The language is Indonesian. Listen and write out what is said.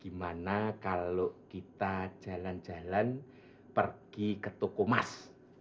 dimana kalau kita jalan jalan pergi ke toko mas